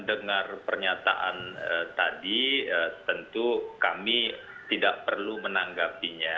dengar pernyataan tadi tentu kami tidak perlu menanggapinya